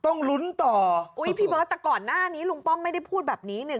ต้องลุ้นต่ออุ้ยพี่เบิร์ตแต่ก่อนหน้านี้ลุงป้อมไม่ได้พูดแบบนี้เนี่ย